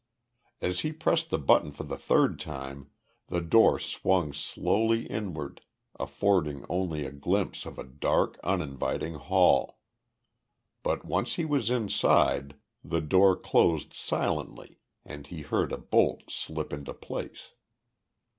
As he pressed the button for the third time the door swung slowly inward, affording only a glimpse of a dark, uninviting hall. But, once he was inside, the door closed silently and he heard a bolt slipped into place.